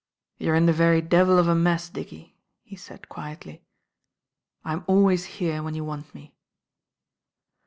"You're in the very devil of a mess, Dickie," he said quietly. "I'm always here when you want me."